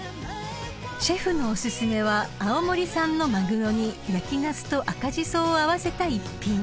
［シェフのお薦めは青森産のマグロに焼きナスとアカジソを合わせた一品］